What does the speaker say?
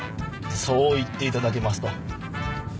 そう言っていただけますと。